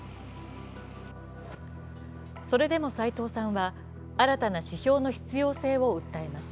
それでも斎藤さんは新たな指標の必要性を訴えます。